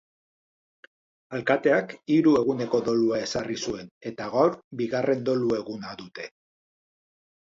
Alkateak hiru eguneko dolua ezarri zuen, eta gaur bigarren dolu eguna dute.